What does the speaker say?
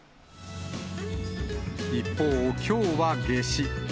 一方、きょうは夏至。